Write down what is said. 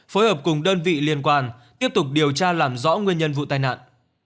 phối hợp cùng đơn vị liên quan tiếp tục điều tra làm rõ nguyên nhân vụ tai nạn